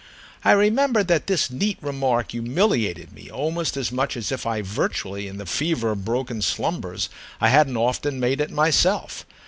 I remember that this neat remark humiliated me almost as much as if virtually, in the fever of broken slumbers, I hadn't often made it myself.